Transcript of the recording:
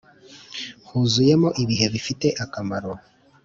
huzuyemo ibihe bifite akamaro,